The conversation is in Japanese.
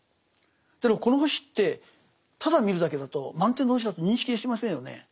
だけどこの星ってただ見るだけだと満天の星だと認識しませんよね。